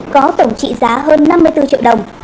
có tổng trị giá hơn năm mươi bốn triệu đồng